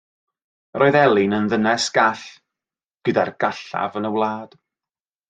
Yr oedd Elin yn ddynes gall, gyda'r gallaf yn y wlad.